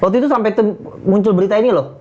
waktu itu sampai muncul berita ini loh